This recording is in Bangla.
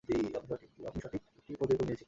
আপনি একটি সঠিক পদক্ষেপ নিয়েছিলেন।